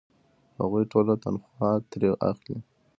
هغوی ټوله تنخوا ترې اخلي.